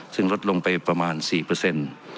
ซึ่งลดลงไปประมาณ๔เปอร์เซ็นต์